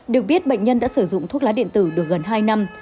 được biết bệnh nhân đã sử dụng thuốc lá điện tử được gần hai năm